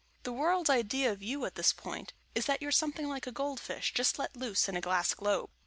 The World's idea of you at this point is, that you're something like a gold fish just let loose in a glass globe.